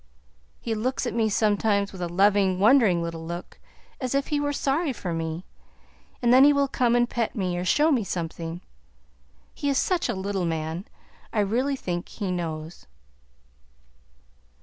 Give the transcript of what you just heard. He looks at me sometimes with a loving, wondering little look, as if he were sorry for me, and then he will come and pet me or show me something. He is such a little man, I really think he knows."